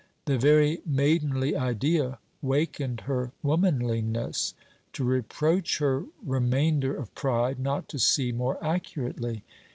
The very maidenly idea wakened her womanliness to reproach her remainder of pride, not to see more accurately.